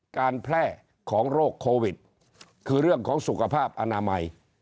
การแพร่ของโรคโควิดคือเรื่องของสุขภาพอนามัย